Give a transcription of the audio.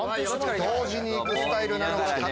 同時に行くスタイルなのか？